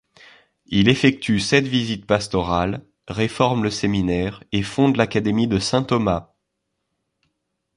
Il effectue sept visites pastorales, réforme le séminaire et fonde l'académie de saint Thomas.